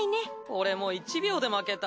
俺も１秒で負けた。